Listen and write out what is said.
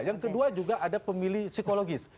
yang kedua juga ada pemilih psikologis